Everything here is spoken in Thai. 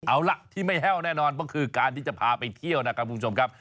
เอาล่ะที่ไม่แห้วแน่นอนก็คือการที่จะพาไปเที่ยวนะครับคุณผู้ชมครับ